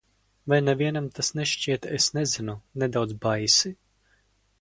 Vai nevienam tas nešķiet, es nezinu, nedaudz baisi?